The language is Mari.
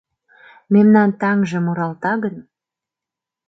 Мемнан таҥже муралта гын